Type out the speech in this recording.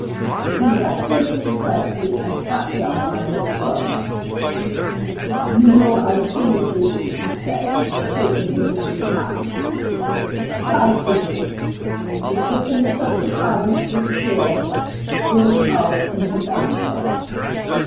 He left Mrs. Presty and sat down by his brother. "You know I feel for you," he said, taking Linley's hand. "Try to hope." The bitterness of the father's despair broke out in his answer.